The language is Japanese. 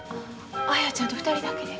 綾ちゃんと２人だけで？